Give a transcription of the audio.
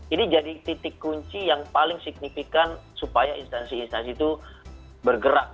ini jadi titik kunci yang paling signifikan supaya instansi instansi itu bergerak